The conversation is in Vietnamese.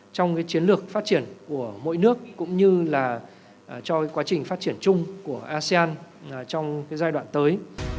trong chiến lược phát triển của mỗi nước cũng như là cho quá trình phát triển chung của asean trong giai đoạn tới